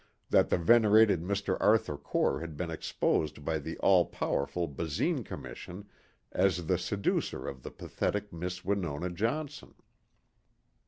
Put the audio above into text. that the venerated Mr. Arthur Core had been exposed by the all powerful Basine Commission as the seducer of the pathetic Miss Winona Johnson.